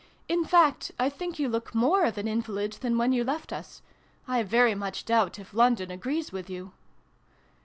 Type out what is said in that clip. "In fact, I think you look more of an invalid than when you left us. I very much doubt if London agrees with you